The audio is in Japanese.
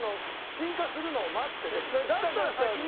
鎮火するのを待ってて。